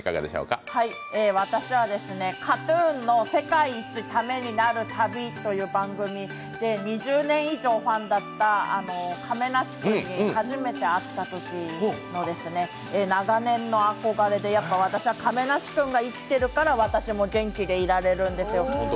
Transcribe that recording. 私は「ＫＡＴ−ＴＵＮの世界一タメになる旅」という番組に２０年以上ファンだった亀梨君に初めて会ったときの長年の憧れで、私は亀梨君が生きているから私も元気で生きていけるんですよ。